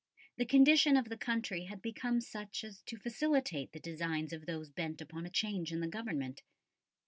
The condition of the country had become such as to facilitate the designs of those bent upon a change in the Government.